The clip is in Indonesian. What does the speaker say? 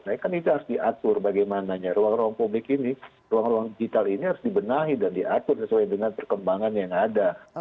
nah kan itu harus diatur bagaimananya ruang ruang publik ini ruang ruang digital ini harus dibenahi dan diatur sesuai dengan perkembangan yang ada